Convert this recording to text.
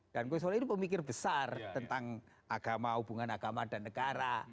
dan gusola ini pemikir besar tentang agama hubungan agama dan negara